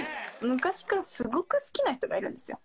昔から、すごく好きな人がいるんですよ。